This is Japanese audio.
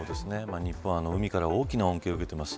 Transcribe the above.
日本は海から大きな恩恵を受けてます。